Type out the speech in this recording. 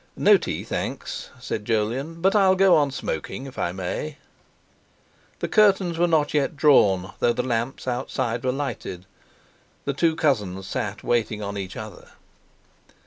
"No tea, thanks," said Jolyon, "but I'll go on smoking if I may." The curtains were not yet drawn, though the lamps outside were lighted; the two cousins sat waiting on each other.